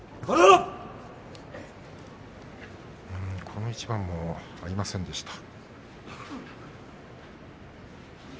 この一番も合いませんでした。